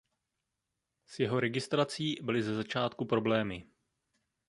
S jeho registrací byly ze začátku problémy.